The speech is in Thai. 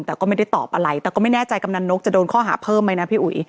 แต่ก็ไม่ได้ตอบอะไรแต่ก็ไม่แน่ใจกำนันนกจะโดนข้อหาเพิ่มไหมนะพี่อุ๋ย